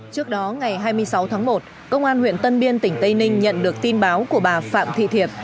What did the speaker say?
trước đó ngày hai mươi sáu tháng một công an huyện tân biên tỉnh tây ninh nhận được tin báo của bà phạm thị thiệp